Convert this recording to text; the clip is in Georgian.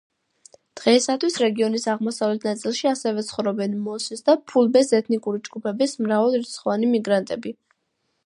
დღეისათვის რეგიონის აღმოსავლეთ ნაწილში ასევე ცხოვრობენ მოსის და ფულბეს ეთნიკური ჯგუფების მრავალრიცხოვანი მიგრანტები.